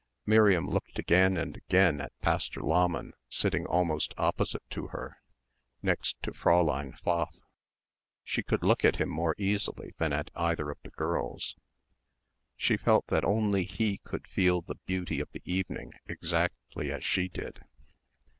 Miriam looked again and again at Pastor Lahmann sitting almost opposite to her, next to Fräulein Pfaff. She could look at him more easily than at either of the girls. She felt that only he could feel the beauty of the evening exactly as she did.